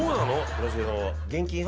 村重さんは。